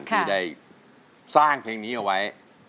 กระแซะเข้ามาสิ